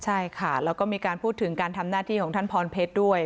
ใช่ค่ะแล้วก็มีการพูดถึงการทำหน้าที่ของท่านพรเพชรด้วย